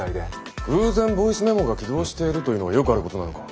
偶然ボイスメモが起動しているというのはよくあることなのか？